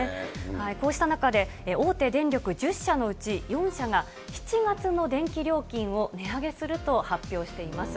こうした中で、大手電力１０社のうち４社が７月の電気料金を値上げすると発表しています。